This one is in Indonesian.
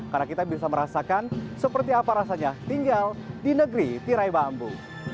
karena kita bisa merasakan seperti apa rasanya tinggal di negeri tirai bambu